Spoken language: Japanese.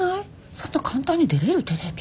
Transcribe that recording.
そんな簡単に出れる？テレビ。